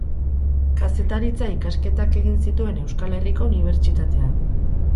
Kazetaritza ikasketak egin zituen Euskal Herriko Unibertsitatean.